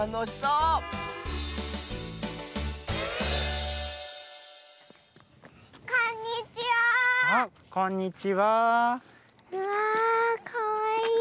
うわかわいい。